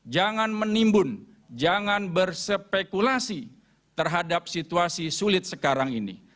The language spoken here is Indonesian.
jangan menimbun jangan bersepekulasi terhadap situasi sulit sekarang ini